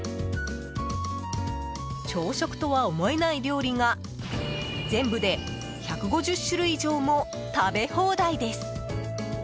朝食とは思えない料理が全部で１５０種類以上も食べ放題です。